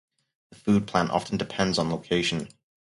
The food plant often depends on location.